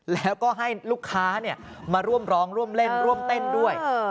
แล้วก็ให้ลูกค้ามาร่วมร้องร่วมเล่นร่วมเต้นด้วย